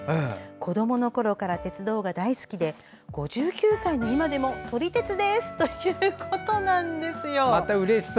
子どものころから鉄道が大好きで５９歳の今でも撮り鉄ですということなんですよ。